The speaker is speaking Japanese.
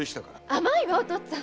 あまいわお父っつぁん！